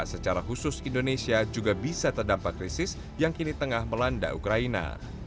secara khusus indonesia juga bisa terdampak krisis yang kini tengah melanda ukraina